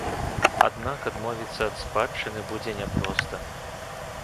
Аднак адмовіцца ад спадчыны будзе няпроста.